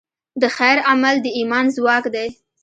د خیر عمل د ایمان ځواک دی.